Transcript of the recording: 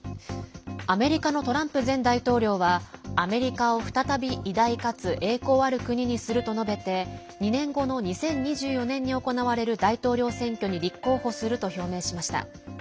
アメリカのトランプ前大統領はアメリカを再び、偉大かつ栄光ある国にすると述べて２年後の２０２４年に行われる大統領選挙に立候補すると表明しました。